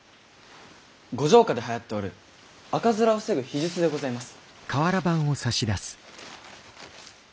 ご城下ではやっておる赤面を防ぐ秘術でございます。